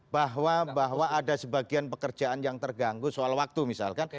bahwa ada sebagian pekerjaan yang terganggu soal waktu misalkan